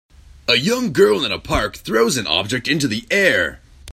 A young girl in a park throws an object into the air.